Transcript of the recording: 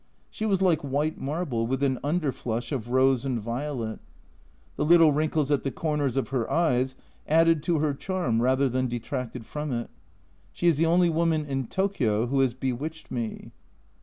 She was like white marble, with an underflush of rose and violet. The little wrinkles at the corners of her eyes added to her charm rather than detracted from it. She is the only woman in Tokio who has bewitched me.